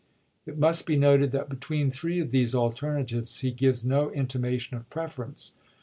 It must be noted that between pp 625 62'8 three of these alternatives he gives no intimation of preference.